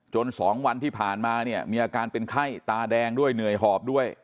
๒วันที่ผ่านมาเนี่ยมีอาการเป็นไข้ตาแดงด้วยเหนื่อยหอบด้วย